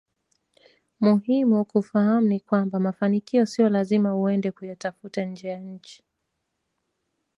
Muhimu kufahamu ni kwamba mafanikio sio lazima uende kuyatafuta nje ya nchi